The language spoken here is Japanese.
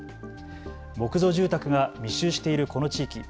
木造住宅が密集しているこの地域。